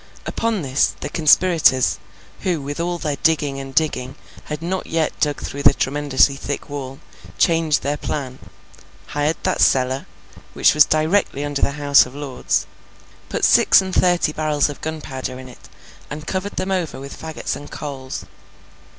Upon this, the conspirators, who with all their digging and digging had not yet dug through the tremendously thick wall, changed their plan; hired that cellar, which was directly under the House of Lords; put six and thirty barrels of gunpowder in it, and covered them over with fagots and coals.